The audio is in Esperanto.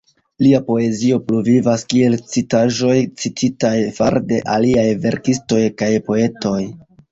Lia poezio pluvivas kiel citaĵoj cititaj fare de aliaj verkistoj kaj poetoj.